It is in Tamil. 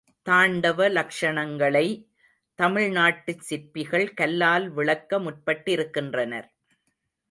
தாண்டவ லக்ஷணங்களை, தமிழ் நாட்டுச் சிற்பிகள் கல்லால் விளக்க முற்பட்டிருக்கின்றனர்.